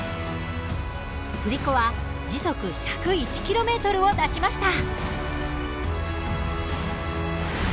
振り子は時速１０１ｋｍを出しました。